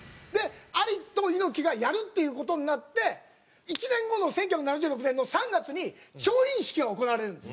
アリと猪木がやるっていう事になって１年後の１９７６年の３月に調印式が行われるんです。